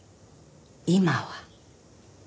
「今は」。